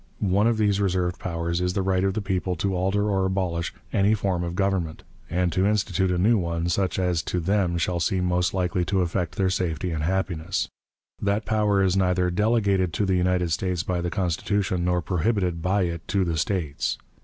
One of these reserved powers is the right of the people to alter or abolish any form of government, and to institute a new one such as to them shall seem most likely to effect their safety and happiness; that power is neither "delegated to the United States by the Constitution nor prohibited by it to the States."